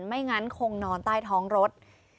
ไม่งั้นคงนอนใต้ท้องรถ